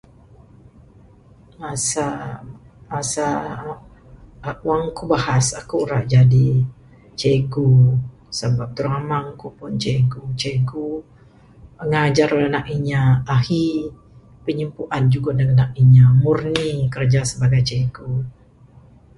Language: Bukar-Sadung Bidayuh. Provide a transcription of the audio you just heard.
Masa masa wang ku bahas ira jadi cikgu sabab turang amang ku pun cikgu. Ngajar anak inya ahi. Pinyipuan jugon anak inya murih kiraja cikgu